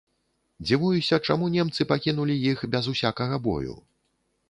Дзівуюся, чаму немцы пакінулі іх без усякага бою.